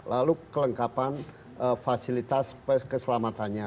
lalu kelengkapan fasilitas keselamatannya